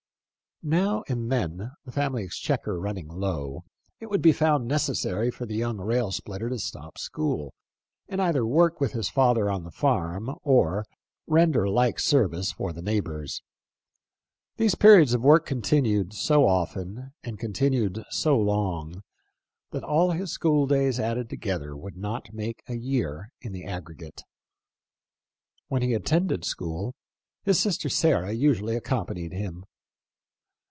Now and then, the family exchequer run ning low, it would be found necessary for the young rail splitter to stop school, and either work with his father on the farm, or render like service for the neighbors. These periods of work occurred so often and continued so long, that all his school days added together would not make a year in the aggregate. When he attended school, his sister Sarah usually accompanied him.